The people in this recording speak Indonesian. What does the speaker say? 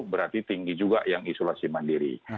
berarti tinggi juga yang isolasi mandiri